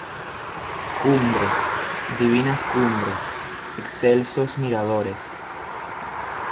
Cumbres, divinas cumbres, excelsos miradores.